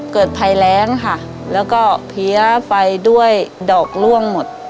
เกิดภัยแรงค่ะแล้วก็เพี้ยไฟด้วยดอกล่วงหมด